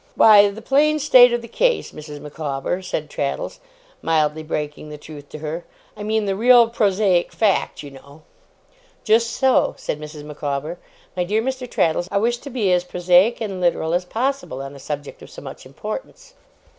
'Why, the plain state of the case, Mrs. Micawber,' said Traddles, mildly breaking the truth to her. 'I mean the real prosaic fact, you know ' 'Just so,' said Mrs. Micawber, 'my dear Mr. Traddles, I wish to be as prosaic and literal as possible on a subject of so much importance.